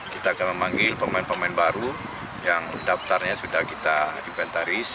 kita akan memanggil pemain pemain baru yang daftarnya sudah kita inventaris